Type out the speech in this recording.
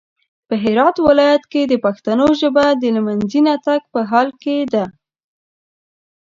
په هرات ولايت کې د پښتنو ژبه د لمېنځه تګ په حال کې ده